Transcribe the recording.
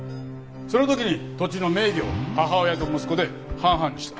その時に土地の名義を母親と息子で半々にした。